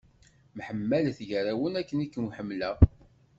Myeḥmalet gar-awen akken i ken-ḥemmleɣ.